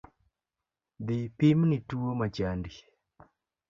Dhi pimni tuo machandi